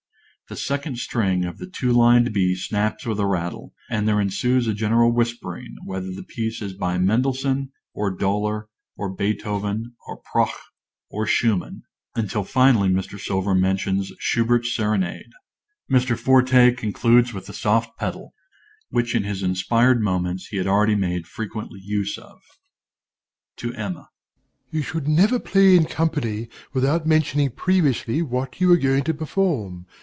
The second string of the two lined b snaps with a rattle, and there ensues a general whispering "whether the piece is by Mendelssohn, or Döhler, or Beethoven, or Proch, or Schumann," until finally Mr. Silver mentions Schubert's Serenade. Mr. Forte concludes with the soft pedal, which in his inspired moments he had already made frequent use of._) DOMINIE (to Emma). You should never play in company, without mentioning previously what you are going to perform.